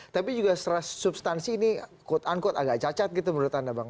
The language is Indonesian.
tapi juga secara substansi ini quote unquote agak cacat gitu menurut anda bang